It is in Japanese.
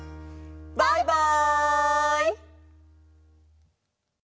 バイバイ！